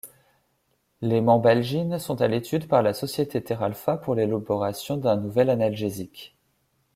Les mambalgines sont à l'étude par la société Theralpha pour l'élaboration d'un nouvel analgésique.